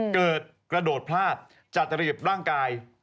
กระโดดพลาดจัดระเบียบร่างกาย